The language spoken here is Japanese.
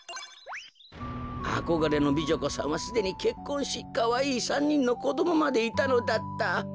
あこがれの美女子さんはすでにけっこんしかわいい３にんのこどもまでいたのだった。